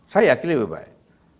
saya yakin lebih baik